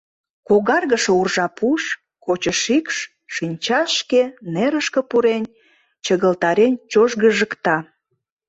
Когаргыше уржа пуш, кочо шикш, шинчашке, нерышке пурен, чыгылтарен чожгыжыкта.